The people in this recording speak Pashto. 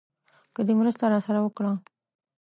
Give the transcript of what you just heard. که دې مرسته راسره وکړه.